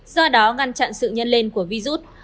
do đó ngăn chặn sự nhân lên của virus